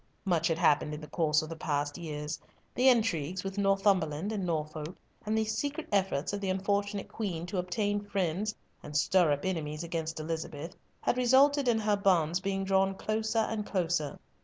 Much had happened in the course of the past years. The intrigues with Northumberland and Norfolk, and the secret efforts of the unfortunate Queen to obtain friends, and stir up enemies against Elizabeth, had resulted in her bonds being drawn closer and closer.